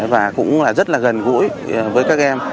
và cũng rất là gần gũi với các em